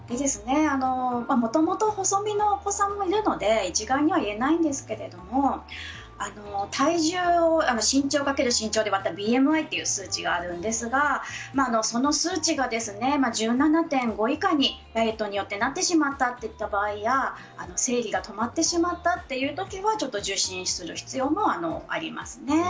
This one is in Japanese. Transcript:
もともと細身のお子さんもいるので一概には言えないんですけども体重を身長かける身長で割ったＢＭＩという数値があるんですがその数値が１７．５以下にダイエットによってなってしまった場合や生理が止まってしまったという時は受診する必要もありますね。